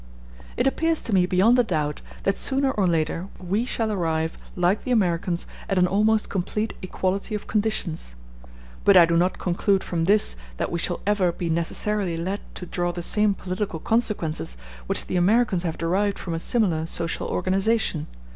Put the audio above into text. It appears to me beyond a doubt that sooner or later we shall arrive, like the Americans, at an almost complete equality of conditions. But I do not conclude from this that we shall ever be necessarily led to draw the same political consequences which the Americans have derived from a similar social organization.